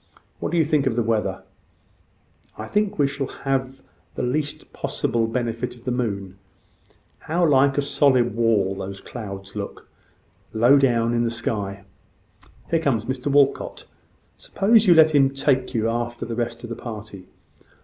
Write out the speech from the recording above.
What do you think of the weather?" "I think we shall have the least possible benefit of the moon. How like a solid wall those clouds look, low down in the sky! Here comes Mr Walcot. Suppose you let him take you after the rest of the party?